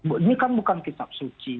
bu ini kan bukan kitab suci